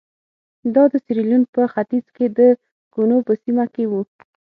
دا د سیریلیون په ختیځ کې د کونو په سیمه کې وو.